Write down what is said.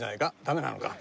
ダメなのか。